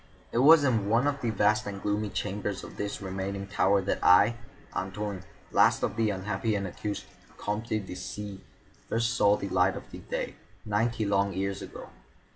It was in one of the vast and gloomy chambers of this remaining tower that I, Antoine, last of the unhappy and accursed Comtes de C——, first saw the light of day, ninety long years ago.